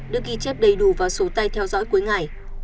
đức ghi chép đầy đủ vào số tay theo dõi cuối ngày